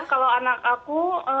kalau anak aku